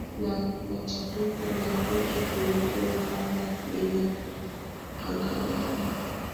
na machafuko na dhiki kuliko uhaba bila angalau